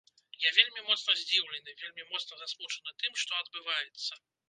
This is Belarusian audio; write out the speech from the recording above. Я вельмі моцна здзіўлены, вельмі моцна засмучаны тым, што адбываецца.